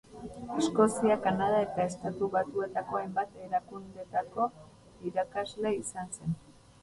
Eskozia, Kanada eta Estatu Batuetako hainbat erakundetako irakasle izan zen.